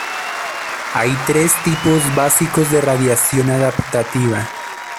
Hay tres tipos básicos de radiación adaptativa.